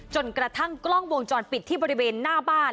จนกระทั่งกล้องวงจรปิดที่บริเวณหน้าบ้าน